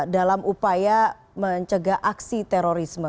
dalam upaya mencegah aksi terorisme